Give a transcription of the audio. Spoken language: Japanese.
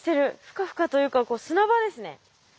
フカフカというか砂場ですね。